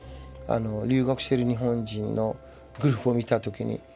留学してる日本人のグループを見た時に。